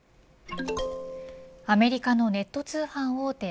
アメリカのネット通販大手